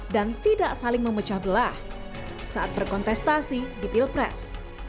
dan tidak saling memecah belah saat berkontestasi di pilpres